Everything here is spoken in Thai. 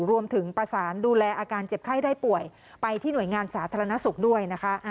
รวมถึงประสานดูแลอาการเจ็บไข้ได้ป่วยไปที่หน่วยงานสาธารณสุขด้วยนะคะ